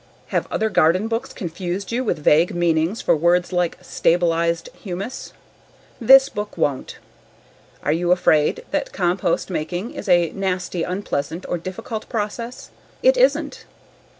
Have other garden books confused you with vague meanings for words like "stabilized humus?" This book won't. Are you afraid that compost making is a nasty, unpleasant, or difficult process? It isn't.